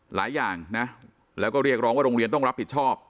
หลายอย่างนะแล้วก็เรียกร้องว่าโรงเรียนต้องรับผิดชอบ